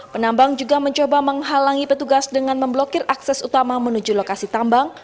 penambang juga mencoba menghalangi petugas dengan memblokir akses utama menuju lokasi tambang